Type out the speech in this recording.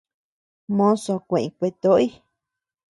Mozo kueʼeñ kueatoʼoy.